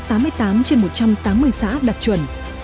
tám mươi tám trên một trăm tám mươi xã đạt chuẩn